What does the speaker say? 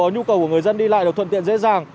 nhu cầu của người dân đi lại được thuận tiện dễ dàng